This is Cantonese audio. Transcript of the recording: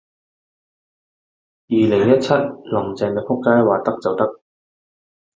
我話得就得